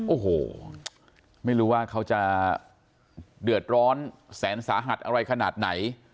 โอ้โหไม่รู้ว่าเขาจะเดือดร้อนแสนสาหัสอะไรขนาดไหน